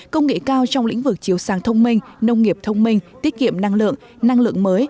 công nghệ cao trong lĩnh vực chiếu sàng thông minh nông nghiệp thông minh tiết kiệm năng lượng năng lượng mới